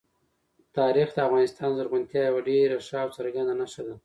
تاریخ د افغانستان د زرغونتیا یوه ډېره ښه او څرګنده نښه ده.